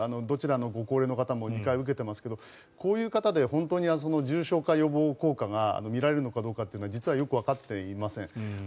どちらのご高齢の方も２回受けていますがこういう方で本当に重症化予防効果が見られるのかどうかは実はよくわかっていません。